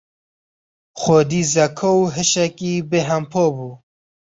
Xwedî zeka û hişekî bêhempa bû.